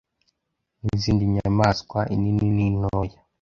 n’izindi nyamaswa, inini n’intoya.